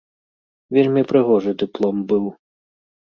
Вельмі прыгожы дыплом быў.